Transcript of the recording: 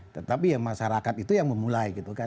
tetapi ya masyarakat itu yang memulai gitu kan